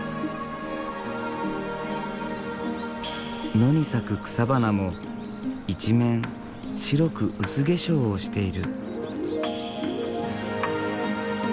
野に咲く草花も一面白く薄化粧をしている。